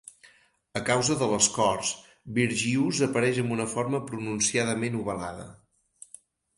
A causa de l'escorç, Byrgius apareix amb una forma pronunciadament ovalada.